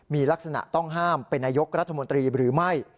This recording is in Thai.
มีลักษณะต้องห้ามเป็นนายกรัฐมนตรีหรือไม่